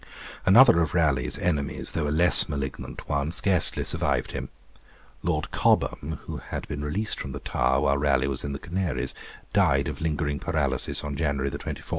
Another of Raleigh's enemies, though a less malignant one, scarcely survived him. Lord Cobham, who had been released from the Tower while Raleigh was in the Canaries, died of lingering paralysis on January 24, 1619.